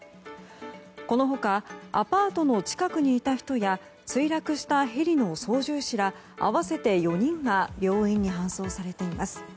この他アパートの近くにいた人や墜落したヘリの操縦士ら合わせて４人が病院に搬送されています。